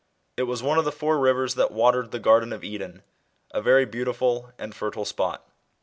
It was one of the four rivers that watepd {he garden ,of Eden a very ' beautiful and fertile spot.